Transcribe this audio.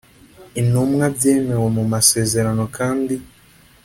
Intumwa byemewe mu masezerano kandi